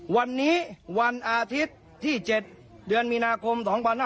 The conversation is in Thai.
วันนี้วันอาทิตย์ที่๗เดือนมีนาคม๒๕๖๒